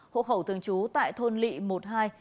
hộ khẩu thường trú tại thôn lị